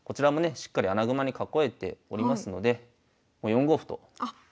しっかり穴熊に囲えておりますので４五歩とあっここで。